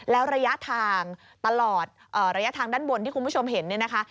แล้วระยะทางตลอดระยะทางด้านบนที่คุณผู้ชมเห็นเนี่ยนะคะ